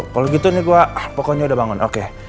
kalau gitu nih gue pokoknya udah bangun oke